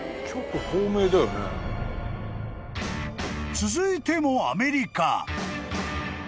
［続いてもアメリカ］